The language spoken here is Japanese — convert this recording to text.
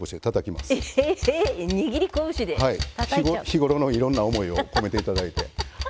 日頃のいろんな思いを込めて頂いて。